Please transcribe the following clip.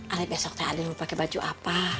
ali besok teh ali mau pake baju apa